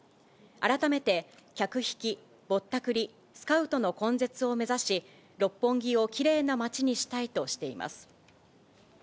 改めて客引き、ぼったくり、スカウトの根絶を目指し、六本木をきれいな街にしたいとしています。